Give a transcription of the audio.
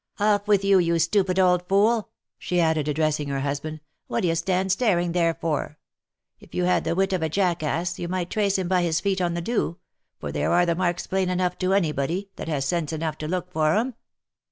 " Off with you, you stupid old fool !" she added, addressing her husband; " what d'ye stand staring therefor? If you had the wit of a jackass, you might trace him by his feet on the dew — for there are the marks plain enough to any body, that has sense enough to look for 'em."